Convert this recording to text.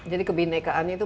jadi kebenekaan itu